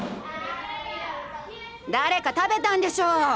誰か食べたんでしょう？